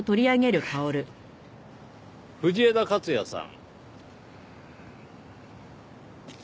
藤枝克也さん。